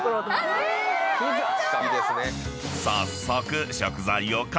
［早速］